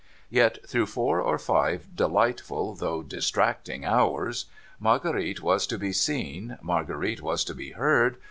Yet, through four or five delightful though distracting hours, Marguerite was to be seen, Marguerite was to be heard.